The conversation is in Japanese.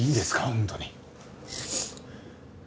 本当に。